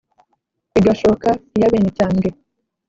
igashoka iy' abenecyambwe